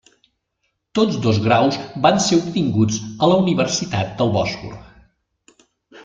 Tots dos graus van ser obtinguts a la Universitat del Bòsfor.